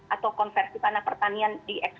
atau konversi tanah pertanian